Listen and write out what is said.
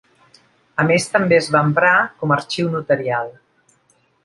A més, també es va emprar com a arxiu notarial.